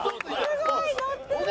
すごいノッてる。